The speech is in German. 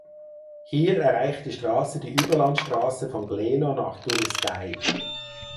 Hier erreicht die Straße die Überlandstraße von Gleno nach Turiscai.